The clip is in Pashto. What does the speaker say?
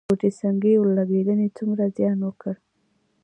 د کوټه سنګي اورلګیدنې څومره زیان وکړ؟